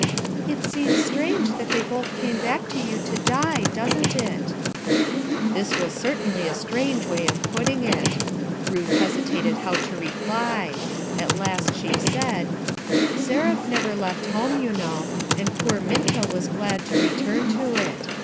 "It seems strange that they both came back to you to die, doesn't it?" This was certainly a strange way of putting it ! Ruth hesitated how to reply. At last, she said 1 — "Seraph never left home, you know ; and poor Minta was glad to return to it.